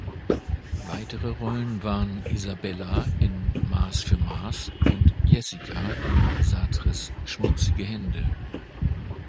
Weitere Rollen waren Isabella in "Maß für Maß" und Jessica in Sartres "Schmutzige Hände".